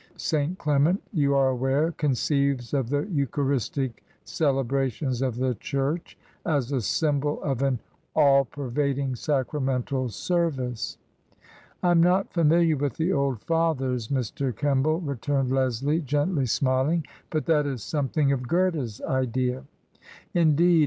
St. Clement, you are aware, conceives of the Eucharistic celebrations of the church as a symbol of an all pervading sacramental service." " I am not familiar with the old Fathers, Mr. Kemball," returned Leslie, gently smiling ;" but that is something of Goethe's idea." " Indeed